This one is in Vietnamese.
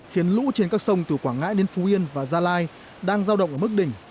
khiến lũ trên các sông từ quảng ngãi đến phú yên và gia lai đang giao động ở mức đỉnh